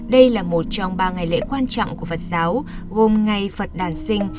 đây là một trong ba ngày lễ quan trọng của phật giáo gồm ngày phật đàn sinh